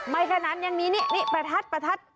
ไม้ขนันเออยังมีนี่ประทัด